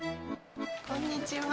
こんにちは。